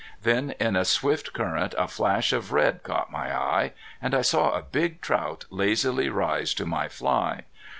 Then in a swift current a flash of red caught my eye and I saw a big trout lazily rise to my fly.